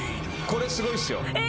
これすごいっすよえ